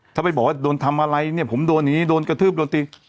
ถ้าไปบอกว่าโดนทำอะไรเนี่ยผมโดนอย่างนี้โดนกระทืบโดนตี